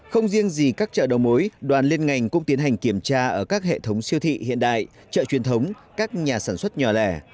không riêng gì các chợ đầu mối đoàn liên ngành cũng tiến hành kiểm tra ở các hệ thống siêu thị hiện đại chợ truyền thống các nhà sản xuất nhỏ lẻ